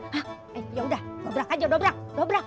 hah yaudah dobrak aja dobrak